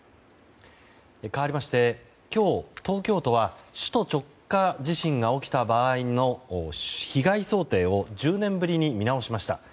かわりまして今日、東京都は首都直下地震が起きた場合の被害想定を１０年ぶりに見直しました。